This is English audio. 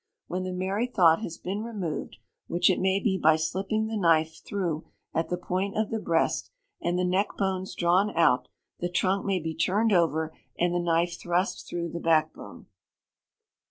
When the merry thought has been removed (which it may be by slipping the knife through at the point of the breast), and the neck bones drawn out, the trunk may be turned over, and the knife thrust through the back bone.